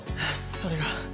それが。